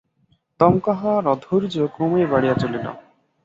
দমকা হাওয়ার অধৈর্য ক্রমেই বাড়িয়া চলিল।